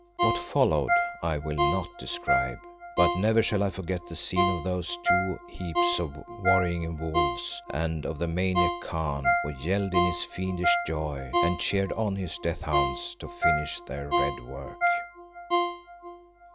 What followed I will not describe, but never shall I forget the scene of those two heaps of worrying wolves, and of the maniac Khan, who yelled in his fiendish joy, and cheered on his death hounds to finish their red work.